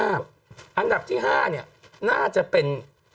อันดับที่๕น่าจะเป็น